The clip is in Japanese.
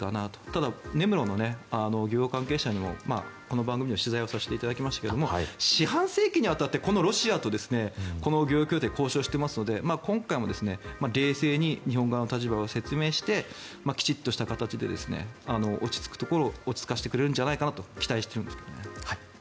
ただ、根室の漁業関係者にもこの番組で取材させていただきましたが四半世紀にわたってロシアとこの漁業協定交渉していますので今回も冷静に日本側の立場を説明してきちんとした形で落ち着くところに落ち着かさせてくれるんじゃないかと。